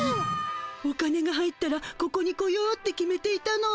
お金が入ったらここに来ようって決めていたの。